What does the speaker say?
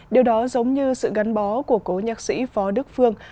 điều đó giống như sự gắn bó của cố nhạc sĩ phó đức phương